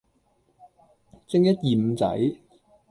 正一二五仔